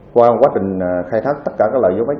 qua quá trình khai thác tất cả các loại dấu vết